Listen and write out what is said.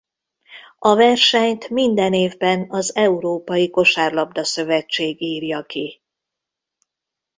A versenyt minden évben az Európai Kosárlabda-szövetség írja ki.